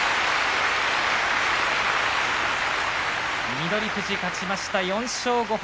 翠富士、勝ちました４勝５敗。